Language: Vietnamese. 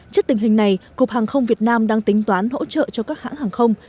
trước tình hình này cục hàng không việt nam đang tính toán hỗ trợ cho các hãng hàng không